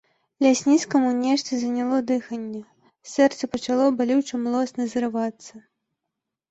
Лясніцкаму нешта заняло дыханне, сэрца пачало балюча млосна зрывацца.